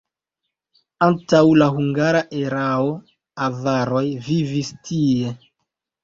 Antaŭ la hungara erao avaroj vivis tie.